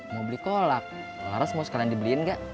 mau beli kolak laras mau sekalian dibeliin nggak